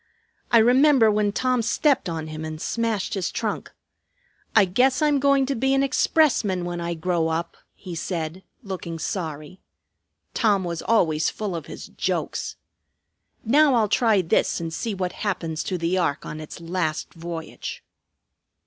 "I remember when Tom stepped on him and smashed his trunk. 'I guess I'm going to be an expressman when I grow up,' he said, looking sorry. Tom was always full of his jokes. Now I'll try this and see what happens to the ark on its last voyage."